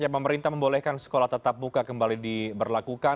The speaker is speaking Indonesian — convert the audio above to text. pemerintah membolehkan sekolah tatap muka kembali diberlakukan